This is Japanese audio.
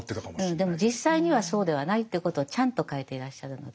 でも実際にはそうではないということをちゃんと書いていらっしゃるので。